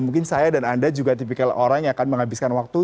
mungkin saya dan anda juga tipikal orang yang akan menghabiskan waktu